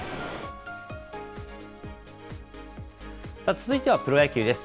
続いてはプロ野球です。